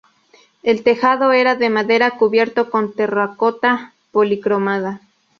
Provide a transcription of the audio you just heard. El tejado era de madera cubierto con terracota policromada.